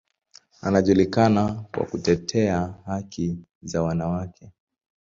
Anajulikana kwa kutetea haki za wanawake.